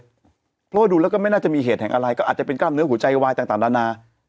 เพราะว่าดูแล้วก็ไม่น่าจะมีเหตุแห่งอะไรก็อาจจะเป็นกล้ามเนื้อหัวใจวายต่างนานา